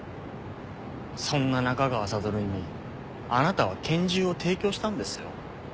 そんな仲川悟にあなたは拳銃を提供したんですよ。